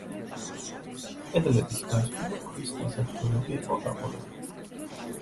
კედლების გასწვრივ ქვის დასაჯდომები იყო გაყოლებული.